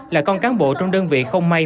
là con cán bộ trong đơn vị không may